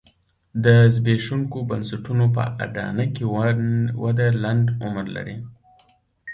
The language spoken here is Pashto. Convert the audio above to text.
د زبېښونکو بنسټونو په اډانه کې وده لنډ عمر ولري.